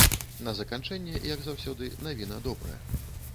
На заканчэнне, як заўсёды, навіна добрая.